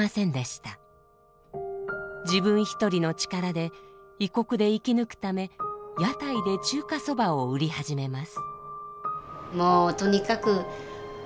自分一人の力で異国で生き抜くため屋台で中華そばを売り始めます。